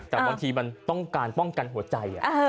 แต่บางทีมันต้องการป้องกันหัวใจ